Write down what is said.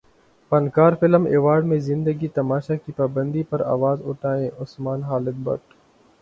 فنکار film award میں زندگی تماشا کی پابندی پر اواز اٹھائیں عثمان خالد بٹ